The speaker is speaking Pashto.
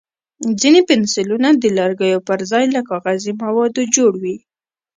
ځینې پنسلونه د لرګیو پر ځای له کاغذي موادو جوړ وي.